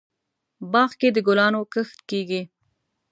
باغ کې دګلانو کښت کیږي